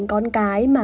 con cái mà